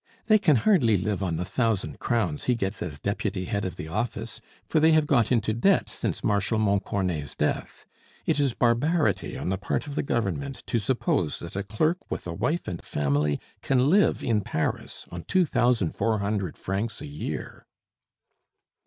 They can hardly live on the thousand crowns he gets as deputy head of the office, for they have got into debt since Marshal Montcornet's death. It is barbarity on the part of the Government to suppose that a clerk with a wife and family can live in Paris on two thousand four hundred francs a year."